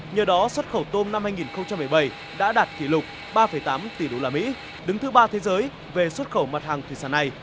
nhờ đó xuất khẩu tôm năm hai nghìn một mươi bảy đã đạt kỷ lục ba tám tỷ đô la mỹ đứng thứ ba thế giới về xuất khẩu mặt hàng thuyền sản này